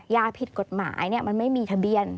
ยาผิดกฎหมายมันไม่มีทะเบียน